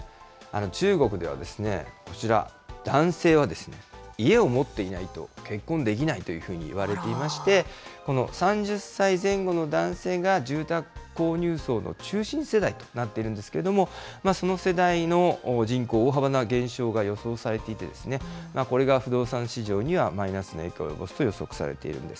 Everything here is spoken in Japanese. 中国ではこちら、男性は家を持っていないと、結婚できないというふうに言われていまして、この３０歳前後の男性が住宅購入層の中心世代となっているんですけれども、その世代の人口、大幅な減少が予想されていて、これが不動産市場にはマイナスの影響を及ぼすと予測されているんです。